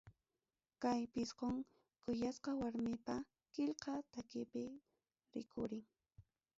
Kay pisqum kuyasqa warmipa qillqa takipi rikurin.